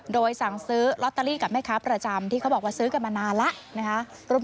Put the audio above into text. โดยสั่งซื้อลอตเตอรี่กับแม่ค้าประจำที่เขาบอกว่าซื้อกันมานานแล้วนะคะ